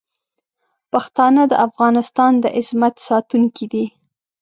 پښتانه د افغانستان د عظمت ساتونکي دي.